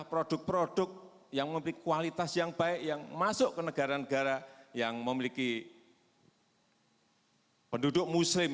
produk produk yang memiliki kualitas yang baik yang masuk ke negara negara yang memiliki penduduk muslim